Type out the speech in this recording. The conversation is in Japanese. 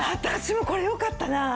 私もこれ良かったな。